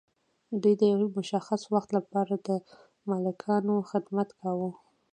دوی د یو مشخص وخت لپاره د مالکانو خدمت کاوه.